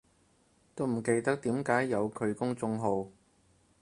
都唔記得點解有佢公眾號